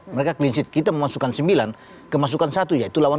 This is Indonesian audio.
mereka clean sheet kita memasukkan sembilan